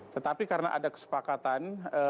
tetapi karena ada kesepakatan